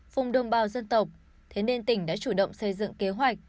vùng đồng bào dân tộc thế nên tỉnh đã chủ động xây dựng kế hoạch